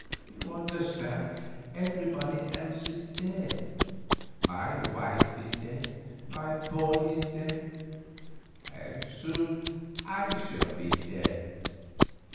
You understand, everybody else is dead—my wife is dead, my boy is dead, and soon I shall be dead.